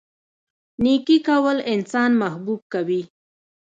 نیکي کول انسان محبوب کوي.